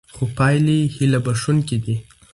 خو پایلې هیله بښوونکې دي.